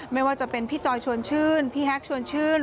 ไม่ว่าจะเป็นพี่จอยชวนชื่นพี่แฮกชวนชื่น